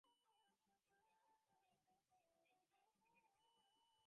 ললিতা অনাবশ্যক জবাবদিহির স্বরূপ কহিল, দিদি আমাকে ডেকে পাঠিয়েছিল।